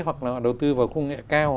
hoặc là họ đầu tư vào khu công nghệ cao